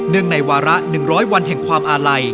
ในวาระ๑๐๐วันแห่งความอาลัย